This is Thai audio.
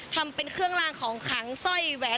ทำเป็นเครื่องลางของขังสร้อยแหวน